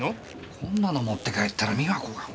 こんなの持って帰ったら美和子が。